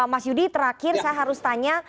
mas yudi terakhir saya harus tanya